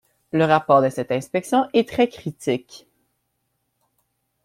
Le rapport de cet inspection est très critique.